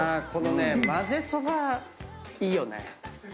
このねまぜそばいいよね。